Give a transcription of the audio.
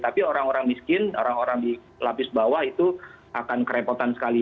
tapi orang orang miskin orang orang di lapis bawah itu akan kerepotan sekali